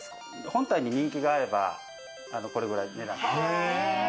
本体に人気があればこれくらい値段が。